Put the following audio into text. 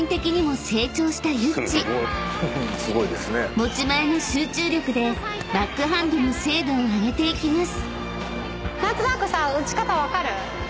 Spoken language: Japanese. ［持ち前の集中力でバックハンドの精度を上げていきます］